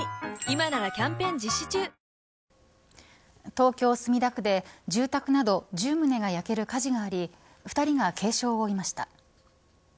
東京、墨田区で住宅など１０棟が焼ける火事があり２人が軽傷を負いました。